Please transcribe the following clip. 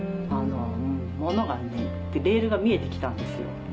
レールが見えてきたんですよ。